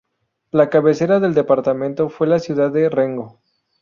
La cabecera del departamento fue la ciudad de Rengo.